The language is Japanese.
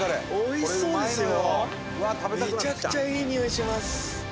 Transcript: めちゃくちゃいいにおいします。